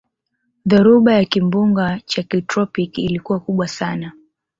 dhoruba ya kimbunga cha kitropiki ilikuwa kubwa sana